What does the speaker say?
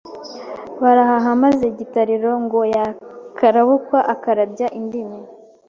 Barahaha maze Gitariro ngo yakarabukwa akarabya indimi